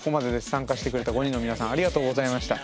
参加してくれた５人の皆さんありがとうございました。